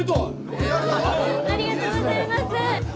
ありがとうございます。